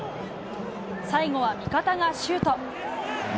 最後は味方がシュート。